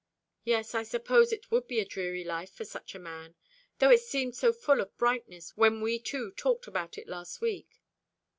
Yes, I suppose it would be a dreary life for such a man though it seemed so full of brightness when we two talked about it last week.